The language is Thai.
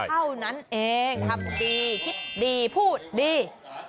เท่านั้นเองทำดีคิดดีพูดดี